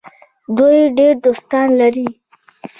دوی ډیر دوستان لري.